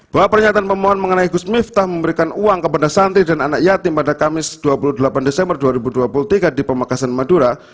bahwa pernyataan pemohon mengenai gus miftah memberikan uang kepada santri dan anak yatim pada kamis dua puluh delapan desember dua ribu dua puluh tiga di pemakasan madura